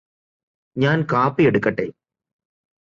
ഞാൻ കാപ്പി എടുക്കട്ടേ?